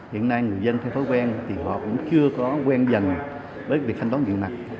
hiện nay người dân theo thói quen thì họ cũng chưa có quen dần với việc thanh toán điện mặt